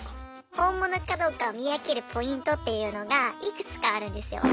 本物かどうかを見分けるポイントっていうのがいくつかあるんですよ。